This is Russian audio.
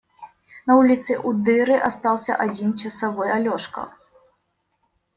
На улице у дыры остался один часовой – Алешка.